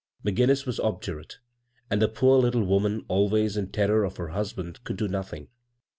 McGinnis was obdurate, and the poor little woman, always in terror of her husband, could do nothing.